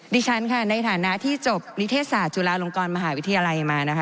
ดิฉันในฐานะที่จบมิเทศศาสตร์จุฬาโรงกรมหาวิทยาลัย